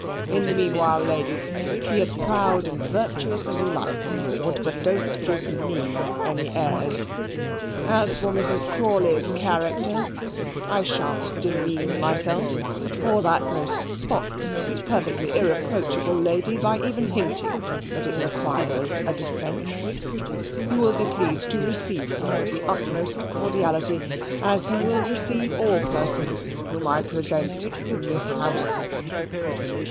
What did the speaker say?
In the meanwhile, ladies, be as proud and virtuous as you like abroad, but don't give ME any airs. As for Mrs. Crawley's character, I shan't demean myself or that most spotless and perfectly irreproachable lady by even hinting that it requires a defence. You will be pleased to receive her with the utmost cordiality, as you will receive all persons whom I present in this house.